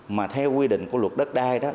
mà theo quy định của luật đất đai đó